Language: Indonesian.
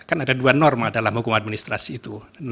kan ada dua norma dalam hukum administrasi itu